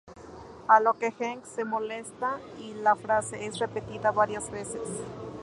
A lo que, Hank se molesta y la frase es repetida varias veces.